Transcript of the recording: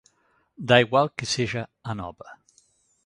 Da igual que sexa Anova.